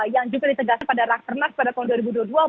yang juga ditegaskan pada rakernas pada tahun dua ribu dua puluh dua